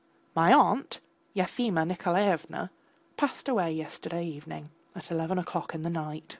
My aunt, Yefimya Nikolaevna, passed away yesterday evening at eleven o'clock in the night.